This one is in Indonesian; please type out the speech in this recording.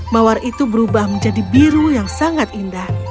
mawar itu berubah menjadi biru yang sangat indah